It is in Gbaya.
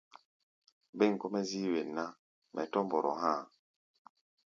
Bêm kɔ́-mɛ́ zíí wen ná, mɛ tɔ̧́ mbɔrɔ há̧ a̧.